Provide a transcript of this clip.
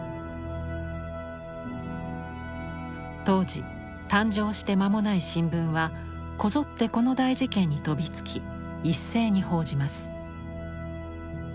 当時誕生して間もない新聞はこぞってこの大事件に飛びつき一斉に報じます。